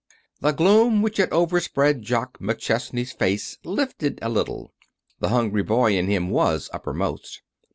The gloom which had overspread Jock McChesney's face lifted a little. The hungry boy in him was uppermost.